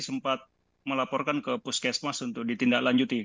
sempat melaporkan ke puskesmas untuk ditindaklanjuti